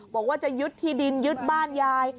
บอกว่าจะยึดที่ดินยึดบ้านยาย